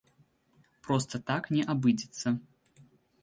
Проста так не абыдзецца.